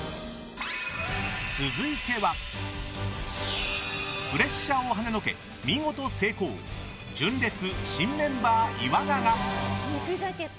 続いてはプレッシャーをはねのけ見事成功純烈、新メンバー岩永。